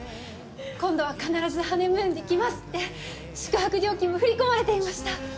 今度は必ずハネムーンで来ますって宿泊料金も振り込まれていました。